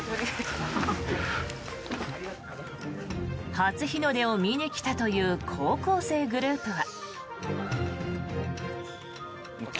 初日の出を見に来たという高校生グループは。